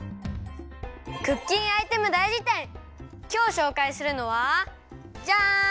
きょうしょうかいするのはジャン！